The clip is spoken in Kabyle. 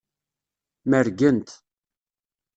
Mergent.